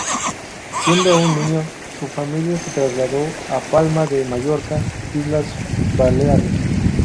Siendo aún niño, su familia se trasladó a Palma de Mallorca, Islas Baleares.